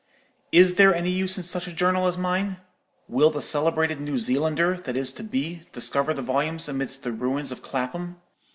Is there any use in such a journal as mine? Will the celebrated New Zealander, that is to be, discover the volumes amidst the ruins of Clapham?